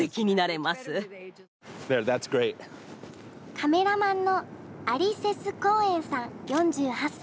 カメラマンのアリ・セス・コーエンさん４８歳。